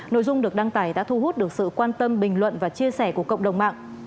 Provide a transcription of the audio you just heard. sự việc đăng tải đã thu hút được sự quan tâm bình luận và chia sẻ của cộng đồng mạng